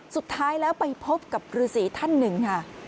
สุดท้ายแล้วไปพบกับฤษีท่านหนึ่งค่ะ